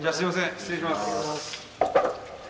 失礼します。